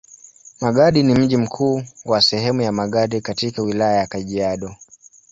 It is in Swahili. Magadi ni mji mkuu wa sehemu ya Magadi katika Wilaya ya Kajiado.